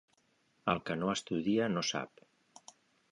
El que no estudia no sap.